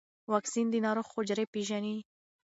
واکسین د ناروغ حجرې پېژني.